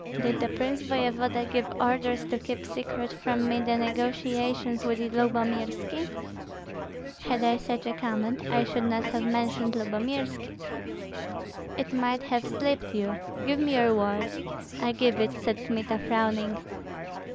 "Did the prince voevoda give orders to keep secret from me the negotiations with Lyubomirski?" "Had I such a command, I should not have mentioned Lyubomirski." "It might have slipped you. Give me your word." "I give it," said Kmita, frowning.